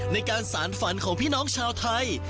ในการสารฝันของพี่น้องชาวไทย